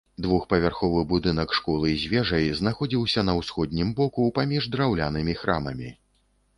Двухпавярховы будынак школы з вежай знаходзіўся на ўсходнім боку паміж драўлянымі храмамі.